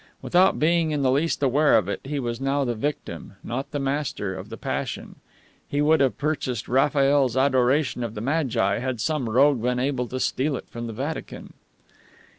Without being in the least aware of it, he was now the victim, not the master, of the passion. He would have purchased Raphael's Adoration of the Magi had some rogue been able to steal it from the Vatican.